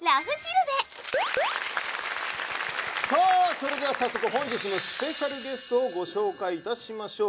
さあそれでは早速本日のスペシャルゲストをご紹介いたしましょう。